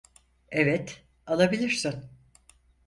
Evet, alabilirsin.